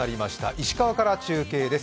石川から中継です。